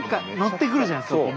ッてくるじゃないですか。